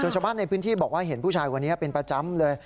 ชาวบ้านในพื้นที่บอกว่าเห็นผู้ชายคนนี้เป็นประจำเลย